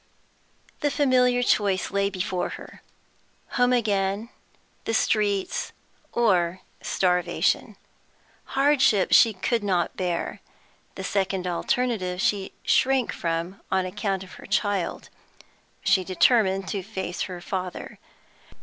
The familiar choice lay before her home again, the streets, or starvation. Hardship she could not bear; the second alternative she shrank from on account of her child; she determined to face her father.